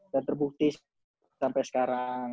dan terbukti sampai sekarang